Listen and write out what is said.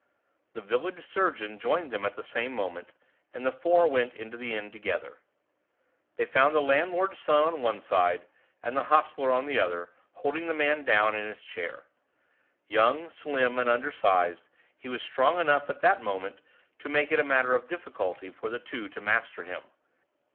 The village surgeon joined them at the same moment, and the four went into the inn together. They found the landlord's son on one side, and the hostler on the other, holding the man down in his chair. Young, slim, and undersized, he was strong enough at that moment to make it a matter of difficulty for the two to master him.